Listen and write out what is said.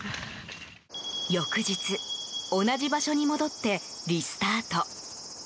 翌日、同じ場所に戻ってリスタート。